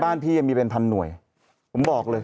บ้านพี่มีเป็น๑๐๐๐หน่วยผมบอกเลย